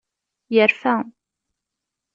Yerfa.